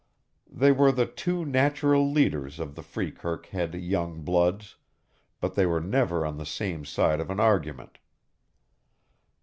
They were the two natural leaders of the Freekirk Head young bloods, but they were never on the same side of an argument.